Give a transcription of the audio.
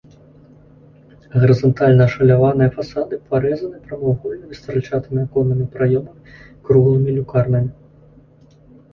Гарызантальна ашаляваныя фасады парэзаны прамавугольнымі і стральчатымі аконнымі праёмамі, круглымі люкарнамі.